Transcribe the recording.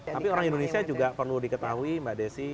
tapi orang indonesia juga perlu diketahui mbak desi